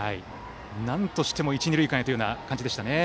なんとしても一、二塁間へという形でしたね。